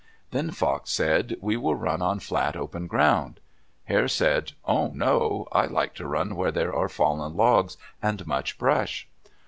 Then Fox said, "We will run on flat, open ground!" Hare said, "Oh, no! I like to run where there are fallen logs and much brush."